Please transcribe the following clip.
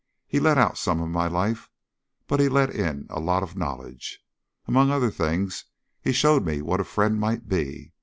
He let out some of my life, but he let in a lot of knowledge. Among other things he showed me what a friend might be.